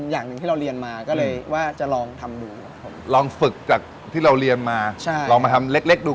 ตัดตัวใหม่วางัดใหม่นะครับ